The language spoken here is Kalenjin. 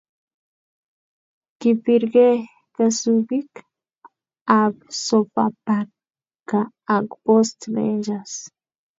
kipirkee kasubik ab sofapaka ak Post rangers